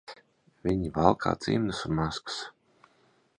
Viņi valkā cimdus un maskas.